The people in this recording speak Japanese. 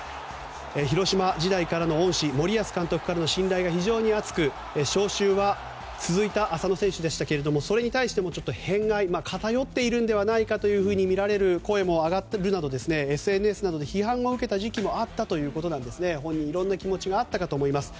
広島時代からの恩師森保監督からの信頼が非常に厚く召集は続いた浅野選手でしたけどもそれに対して偏っているんじゃないかとみられる声も上がっているなどＳＮＳなどで批判を受けた時代もあったということですが本人、いろんな気持ちがあったかと思います。